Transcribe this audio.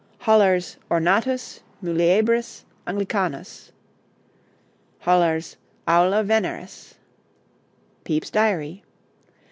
Hollar's 'Ornatus Muliebris Anglicanus.' Hollar's 'Aula Veneris.' Pepys's Diary.